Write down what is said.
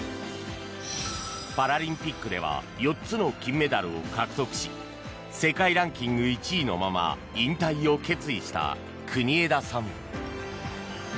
パラリンピックでは４つの金メダルを獲得し世界ランキング１位のまま引退を決意した国枝さん。